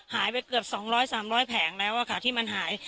หายไปเกือบสองร้อยสามร้อยแผงแล้วอะค่ะที่มันหาย